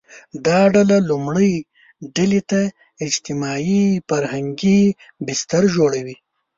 دا ډله لومړۍ ډلې ته اجتماعي – فرهنګي بستر جوړوي